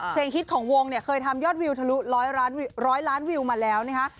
ฮิตของวงเนี่ยเคยทำยอดวิวทะลุร้อยล้านวิวมาแล้วนะคะ